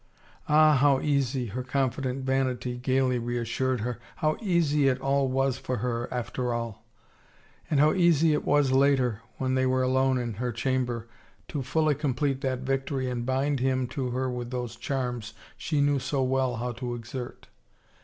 Ah, how easy, her confident vanity gayly reassured her, how easy it all was for her, after all! ... And how easy it was later, when they were alone in her cham ber, to fully complete that victory and bind him to her with those charms she knew so well how to exert!